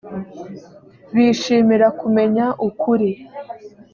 bishimira kumenya ukuri